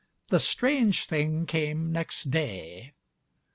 The strange thing came next day.